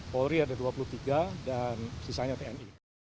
polri ada dua puluh tiga dan sisanya tni